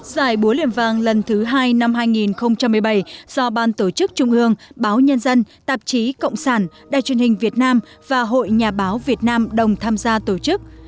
giải búa liềm vàng lần thứ hai năm hai nghìn một mươi bảy do ban tổ chức trung ương báo nhân dân tạp chí cộng sản đài truyền hình việt nam và hội nhà báo việt nam đồng tham gia tổ chức